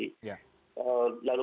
lalu kemudian sampai sepanjang tahun